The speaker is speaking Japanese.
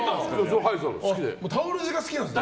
タオル地が好きなんですね。